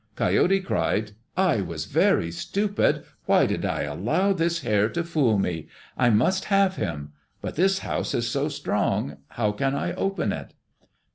Coyote cried, "I was very stupid! Why did I allow this Hare to fool me? I must have him. But this house is so strong, how can I open it?"